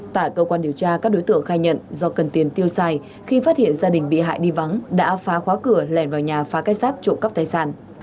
tại cơ quan điều tra các đối tượng khai nhận do cần tiền tiêu xài khi phát hiện gia đình bị hại đi vắng đã phá khóa cửa lẻn vào nhà phá kết sát trộm cắp tài sản